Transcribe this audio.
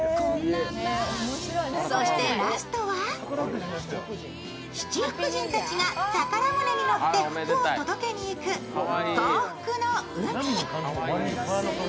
そしてラストは七福神たちが宝船に乗って福を届けに行く幸福の海。